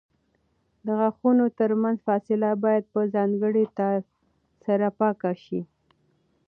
د غاښونو ترمنځ فاصله باید په ځانګړي تار سره پاکه شي.